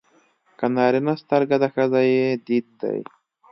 که نارینه سترګه ده ښځه يې دید دی.